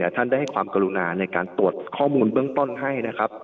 ท่านได้ให้ความกรุณาในการตรวจข้อมูลเบื้องต้นให้นะครับ